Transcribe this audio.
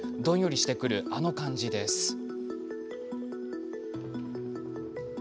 どんよりする、あの感じです。